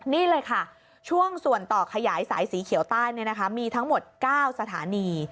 นี่เลยค่ะช่วงส่วนต่อขยายสายสีเขียวใต้มีทั้งหมด๙สถานี